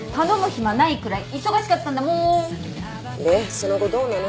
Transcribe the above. その後どうなの？